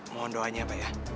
mohon doanya pak ya